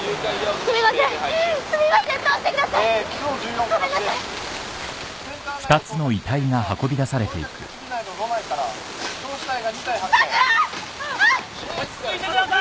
落ち着いてください。